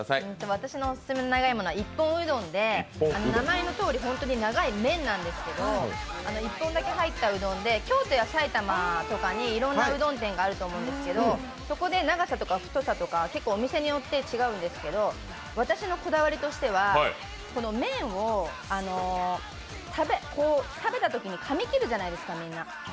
私のオススメの長いものは一本うどんで、名前のとおり本当に長い麺なんですけれど一本だけ入ったうどんで京都や埼玉などにいろんなうどん店があると思うんですけれども、そこで長さとか太さとか結構お店によって違うんですけど、私のこだわりとしては、麺を食べたときにかみ切るじゃないですか。